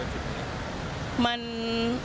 พอเรามาถึงเป็นจุดนี้